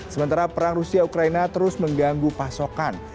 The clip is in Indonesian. sementara perang rusia ukraina terus mengganggu pasokan